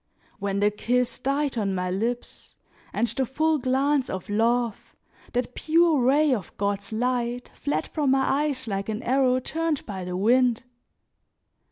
When the kiss died on my lips, and the full glance of love, that pure ray of God's light, fled from my eyes like an arrow turned by the wind!